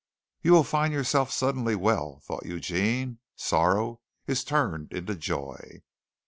"You will find yourself suddenly well," thought Eugene. "Sorrow is turned into joy."